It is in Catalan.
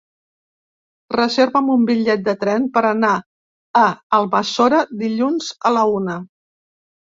Reserva'm un bitllet de tren per anar a Almassora dilluns a la una.